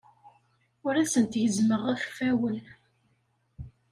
Ur asent-gezzmeɣ iɣfawen.